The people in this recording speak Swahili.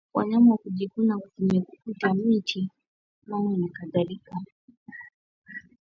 Wanyama kujikuna kwenye kuta miti mawe na kadhalika